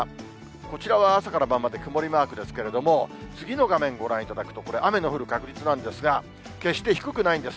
こちらは朝から晩まで曇りマークですけれども、次の画面、ご覧いただくと、これ、雨の降る確率なんですが、決して低くないんです。